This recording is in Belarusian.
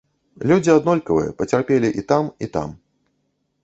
Людзі аднолькавыя, пацярпелі і там, і там.